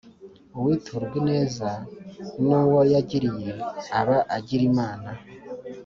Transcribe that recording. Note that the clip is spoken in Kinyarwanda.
Uwiturwa ineza n’uwo yayigiriye aba agira Imana.